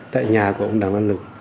tại nhà của ông đàm văn lực